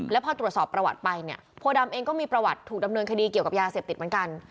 แล้วพอตรวจสอบประวัติไปเนี่ยโพดำเองก็มีประวัติถูกดำเนินคดีเกี่ยวกับยาเสพติดเหมือนกัน